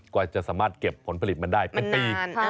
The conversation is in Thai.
กว่าจะสามารถเก็บผลผลิตมันได้เป็นปี